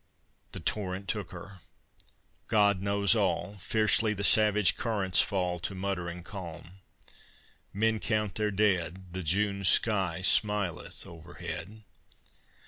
_" The torrent took her. God knows all. Fiercely the savage currents fall To muttering calm. Men count their dead. The June sky smileth overhead.